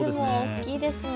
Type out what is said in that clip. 大きいですね。